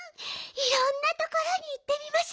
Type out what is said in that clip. いろんなところにいってみましょうよ。